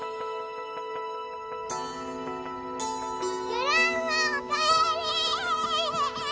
グランマおかえり！